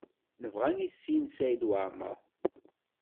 Nebɣa ad nessen Saɛid Waɛmaṛ.